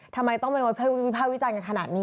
ทำไมต้องไปวิภาควิจารณ์กันขนาดนี้